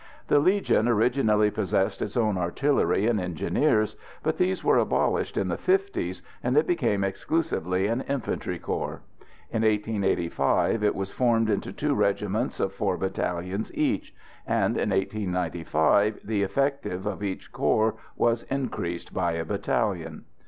The Legion originally possessed its own artillery and engineers, but these were abolished in the 'fifties, and it became exclusively an infantry corps. In 1885 it was formed into two regiments of four battalions each, and in 1895 the effective of each corps was increased by a battalion.